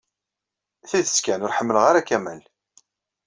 Tidet kan, ur ḥemmleɣ ara Kamal.